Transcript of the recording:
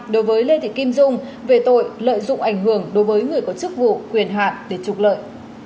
đối với lê thị kim dung về tội lợi dụng ảnh hưởng đối với người có chức vụ quyền hạn để trục lợi